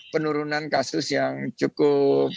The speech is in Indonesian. penurunan kasus yang cukup